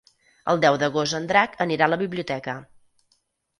El deu d'agost en Drac anirà a la biblioteca.